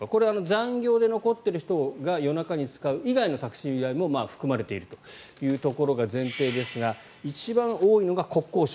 残業で残っている人が夜中に使う以外のタクシー代も含まれているというところが前提ですが一番多いのが国交省。